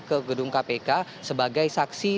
ke gedung kpk sebagai saksi